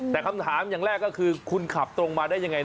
แต่คำถามอย่างแรกก็คือคุณขับตรงมาได้ยังไง